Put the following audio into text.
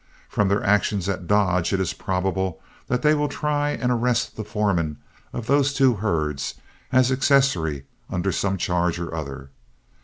From their actions at Dodge, it is probable that they will try and arrest the foreman of those two herds as accessory under some charge or other.